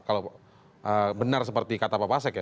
kalau benar seperti kata pak pasek ya